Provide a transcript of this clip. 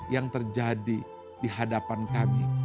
yang terjadi di hadapan kami